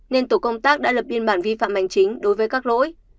nên tổ công tác đã lập biên bản vi phạm hành chính đối với các lỗi